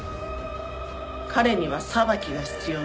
彼には裁きが必要です。